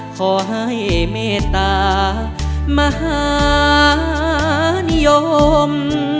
ขอให้เมตตามหานิยม